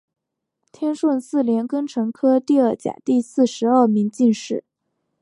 天顺四年庚辰科第二甲第四十二名进士。